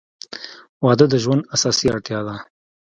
• واده د ژوند اساسي اړتیا ده.